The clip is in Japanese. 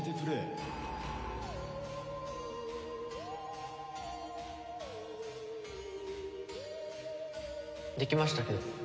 できましたけど。